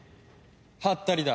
ハッタリだ。